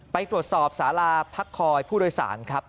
ไปตรวจสอบสาราพักคอยผู้โดยสารครับ